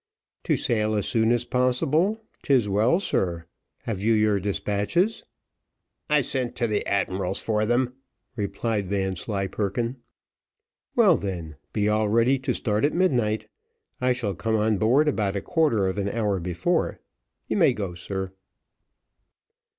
"To sail as soon as possible: 'tis well, sir. Have you your despatches?" "I sent to the admiral's for them," replied Vanslyperken. "Well, then, be all ready to start at midnight. I shall come on board about a quarter of an hour before; you may go, sir."